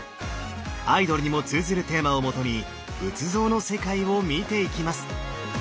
アイドルにも通ずるテーマを基に仏像の世界を見ていきます！